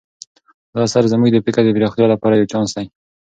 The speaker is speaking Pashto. دا اثر زموږ د فکر د پراختیا لپاره یو چانس دی.